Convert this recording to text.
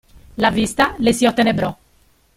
La vista le si ottenebrò.